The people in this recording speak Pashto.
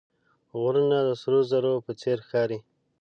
غرونه د سرو زرو په څېر ښکاري